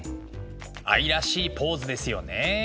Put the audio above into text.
愛らしいポーズですよね。